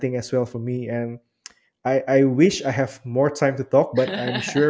dan saya berharap saya punya lebih banyak waktu untuk berbicara